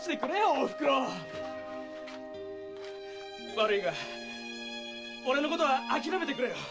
悪いが俺のことはあきらめてくれよ！